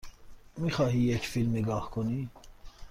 می خواهی یک فیلم نگاه کنی؟